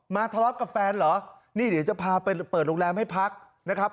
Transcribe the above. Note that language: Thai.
ทะเลาะกับแฟนเหรอนี่เดี๋ยวจะพาไปเปิดโรงแรมให้พักนะครับ